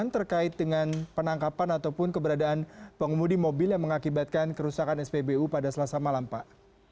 terkait dengan penangkapan ataupun keberadaan pengemudi mobil yang mengakibatkan kerusakan spbu pada selasa malam pak